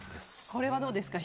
これはどうですか？